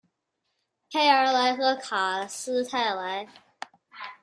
佩尔莱和卡斯泰莱。